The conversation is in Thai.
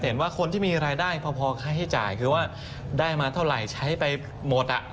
เห็นว่าคนที่มีรายได้พอค่าใช้จ่ายคือว่าได้มาเท่าไหร่ใช้ไปหมด